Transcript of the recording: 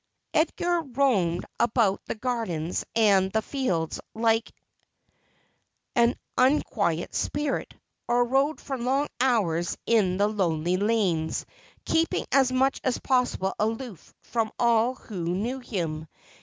Edgar roamed about the gardens and the fields like an unquiet spirit, or rode for long hours in the lonely lanes, keeping as much as possible aloof from all who knew him.